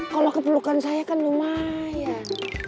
kalau keperlukan saya kan lumayan